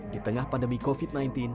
di tengah pandemi covid sembilan belas